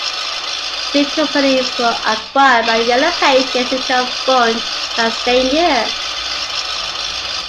The two companies were acquired by Yellow Pages Income Fund that same year.